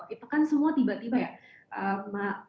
itu kan semua tiba tiba ya